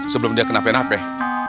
sebelum dia kena penahpih